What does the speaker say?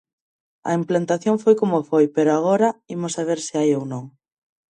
A implantación foi como foi, pero agora imos saber se hai ou non.